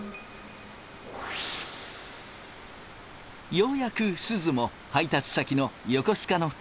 ようやくすずも配達先の横須賀の棚に到着。